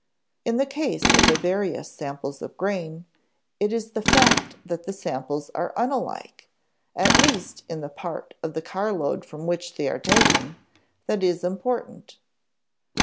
In the case of the various samples of grain, it is the fact that the samples are unlike, at least in the part of the carload from which they are taken, that is important.